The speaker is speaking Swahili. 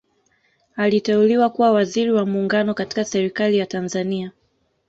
aliteuliwa kuwa waziri wa muungano katika serikali ya tanzania